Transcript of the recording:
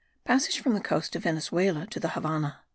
PASSAGE FROM THE COAST OF VENEZUELA TO THE HAVANNAH.